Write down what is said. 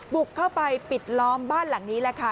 บุกเข้าไปปิดล้อมบ้านหลังนี้แหละค่ะ